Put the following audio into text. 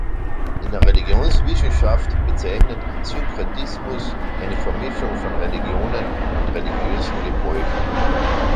In der Religionswissenschaft bezeichnet Synkretismus eine Vermischung von Religionen und religiösen Gebräuchen.